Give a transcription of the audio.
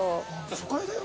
初回だよ？